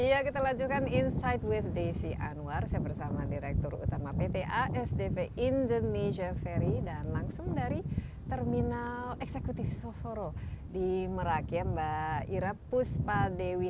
iya kita lanjutkan insight with desi anwar saya bersama direktur utama pt asdp indonesia ferry dan langsung dari terminal eksekutif sosoro di merak ya mbak ira puspa dewi